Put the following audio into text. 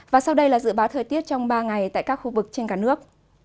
và sau đây là dự báo thời tiết trong ba ngày tại các khu vực trên cả nước